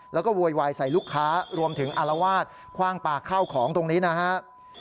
แล้วก็โวยวายใส่ลูกค้ารวมถึงอารวาสคว่างปลาข้าวของตรงนี้นะครับ